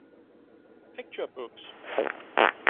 Picture books